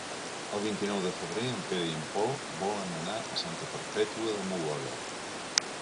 El vint-i-nou de febrer en Pere i en Pol volen anar a Santa Perpètua de Mogoda.